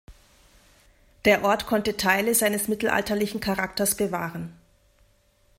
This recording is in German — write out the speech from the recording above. Der Ort konnte Teile seines mittelalterlichen Charakters bewahren.